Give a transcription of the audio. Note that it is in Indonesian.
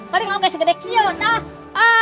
paling tidak sebesar kia pak